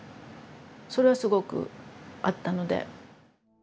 それはすごくあったので。